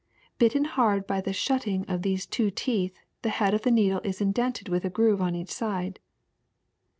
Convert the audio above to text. Bitten hard by the shutting of these two teeth, the head of the needle is indented with a groove on each side.